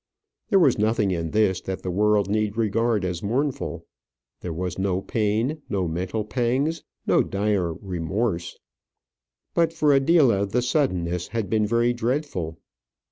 There was nothing in this that the world need regard as mournful. There was no pain, no mental pangs, no dire remorse. But for Adela the suddenness had been very dreadful.